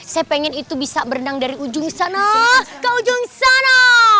saya pengen itu bisa berenang dari ujung sana ke ujung sana